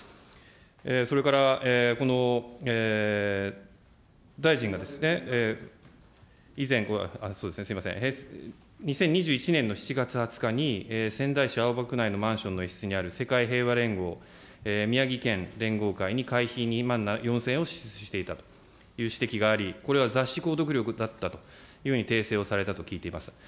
それからこの大臣が以前、すみません、２０２１年の７月２０日に仙台市青葉区内のマンションの一室にある世界平和連合宮城県連合会に会費２万４０００円を支出していたという指摘があり、これは雑誌購読料だったと訂正をされたと聞いています。